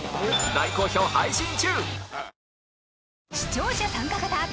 大好評配信中